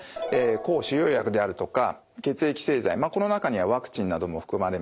抗腫瘍薬であるとか血液製剤この中にはワクチンなども含まれます。